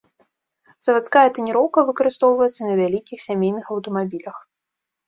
Завадская таніроўка выкарыстоўваецца на вялікіх сямейных аўтамабілях.